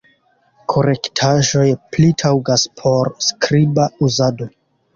Korektaĵoj pli taŭgas por skriba uzado.